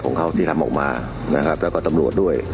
มันมีอยู่ที่คนไก่อะไรของเขาที่ทำออกมาแล้วก็ตำรวจด้วย